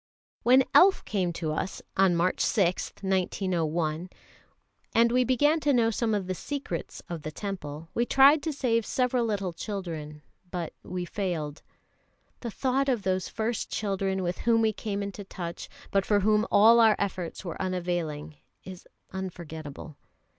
When the Elf came to us on March 6, 1901, and we began to know some of the secrets of the Temple, we tried to save several little children, but we failed. The thought of those first children with whom we came into touch, but for whom all our efforts were unavailing, is unforgettable.